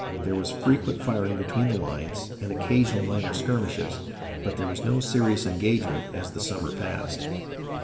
There was frequent firing between the lines and occasional minor skirmishes, but there was no serious engagement as the summer passed.